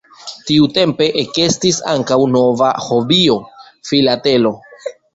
Tiutempe ekestis ankaŭ nova hobio: Filatelo.